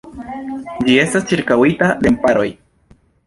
Ĝi estas ĉirkaŭita de remparoj.